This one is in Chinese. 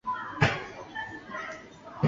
人口和物品通常需要许可穿越边界关卡。